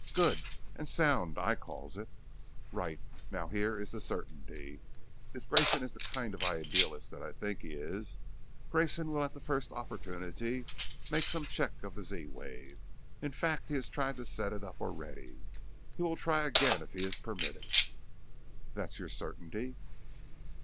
Good and sound I calls it." "Right. Now, here is the certainty. If Grayson is the kind of idealist that I think he is, Grayson will at the first opportunity make some check of the Z wave in fact he has tried to set it up already. He will try again if he is permitted." "That's your certainty."